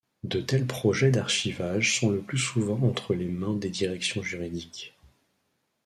De tels projets d’archivage sont le plus souvent entre les mains des directions juridiques.